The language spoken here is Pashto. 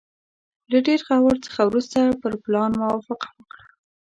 له ډېر غور څخه وروسته پر پلان موافقه وکړه.